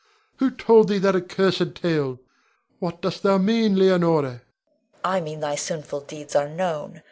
Who told thee that accursed tale? What dost thou mean, Leonore? Leonore. I mean thy sinful deeds are known.